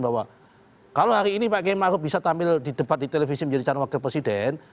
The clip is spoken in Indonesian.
bahwa kalau hari ini pak kiai maruf bisa tampil di debat di televisi menjadi calon wakil presiden